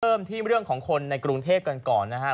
เริ่มที่เรื่องของคนในกรุงเทพกันก่อนนะครับ